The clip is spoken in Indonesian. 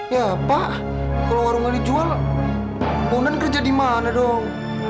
ya pak kalau warungan dijual bondan kerja di mana dong